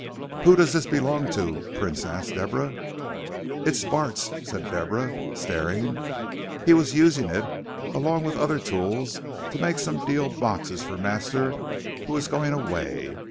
"Who does this belong to?" Prince asked Deborah. "It's Bart's," said Deborah, staring; "he was using it along with other tools to make some deal boxes for master, who was going away.